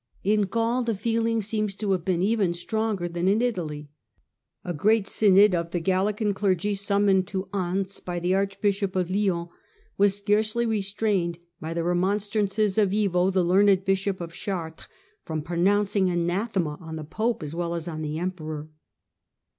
In Gaul the feeling seems to have been even stronger than in Italy. A great synod of the Gallican clergy summoned to Anse by the archbishop of Lyons was scarcely restrained by the remonstrances of Ivo, the learned bishop of Chartres, from pronouncing anathema on the pope as well as the emperor.